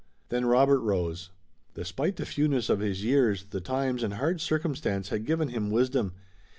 Then Robert rose. Despite the fewness of his years, the times and hard circumstance had given him wisdom.